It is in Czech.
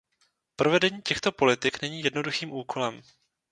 Provedení těchto politik není jednoduchým úkolem.